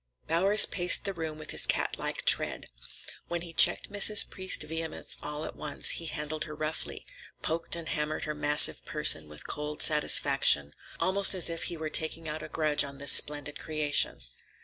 Bowers paced the room with his catlike tread. When he checked Mrs. Priest's vehemence at all, he handled her roughly; poked and hammered her massive person with cold satisfaction, almost as if he were taking out a grudge on this splendid creation.